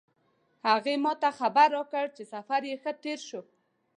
هغې ما ته خبر راکړ چې سفر یې ښه تیر شو